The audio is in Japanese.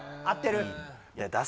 合ってる？